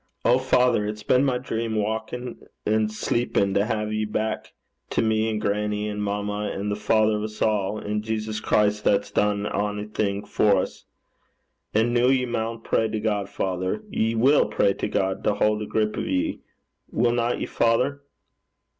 O father, it's been my dream waukin' an' sleepin' to hae you back to me an' grannie, an' mamma, an' the Father o' 's a', an' Jesus Christ that's done a'thing for 's. An' noo ye maun pray to God, father. Ye will pray to God to haud a grip o' ye willna ye, father?'